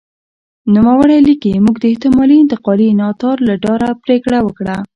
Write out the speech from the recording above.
نوموړی لیکي موږ د احتمالي انتقالي ناتار له ډاره پرېکړه وکړه.